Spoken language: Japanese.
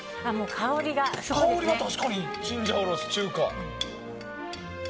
香りは確かにチンジャオロース。